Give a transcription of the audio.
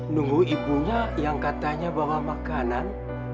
nunggu ibunya yang katanya bawa makanan